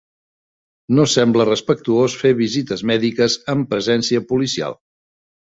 No sembla respectuós fer visites mèdiques amb presència policial